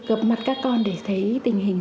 gặp mặt các con để thấy tình hình